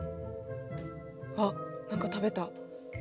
あっ何か食べた。